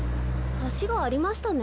はしがありましたね。